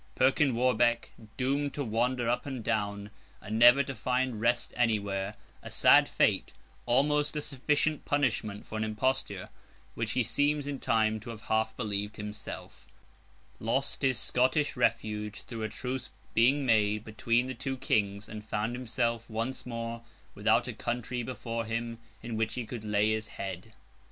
Perkin Warbeck, doomed to wander up and down, and never to find rest anywhere—a sad fate: almost a sufficient punishment for an imposture, which he seems in time to have half believed himself—lost his Scottish refuge through a truce being made between the two Kings; and found himself, once more, without a country before him in which he could lay his head.